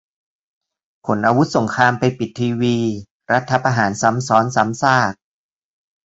ขนอาวุธสงครามไปปิดทีวี รัฐประหารซ้ำซ้อนซ้ำซาก